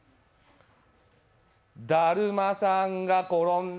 だるまさんが転んだ。